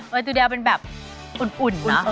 ตัวเดียวเป็นแบบอุ่นนะ